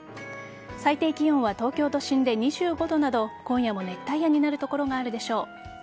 最低気温は東京都心で２５度など今夜も熱帯夜になる所があるでしょう。